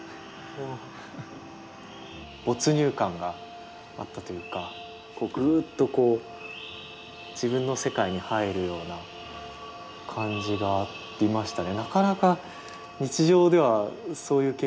没入感があるというかぐーっと自分の世界に入るような感じがありましたね。